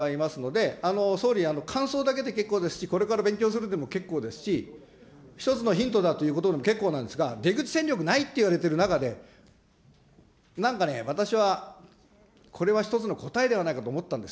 時間がなくなってしまいますので、総理、感想だけで結構ですし、これから勉強するでも結構ですし、一つのヒントだということでも結構なんですが、出口戦略ないって言われてる中で、なんかね、私は、これは一つの答えではないかと思ったんです。